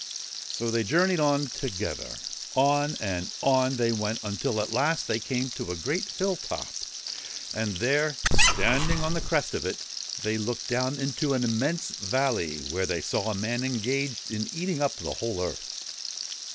So they journeyed on together. On and on they went until at last they came to a great hill top, and there, standing on the crest of it, they looked down into an immense valley where they saw a man engaged in eating up the whole earth.